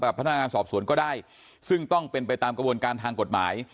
พนักงานสอบสวนก็ได้ซึ่งต้องเป็นไปตามกระบวนการทางกฎหมาย